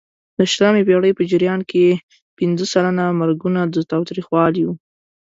د شلمې پېړۍ په جریان کې پینځه سلنه مرګونه د تاوتریخوالي وو.